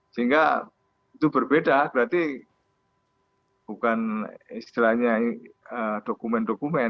sehingga itu berbeda berarti bukan istilahnya dokumen dokumen